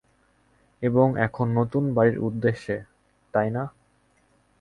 এবং এখন, নতুন বাড়ির উদ্দেশ্যে, তাইনা?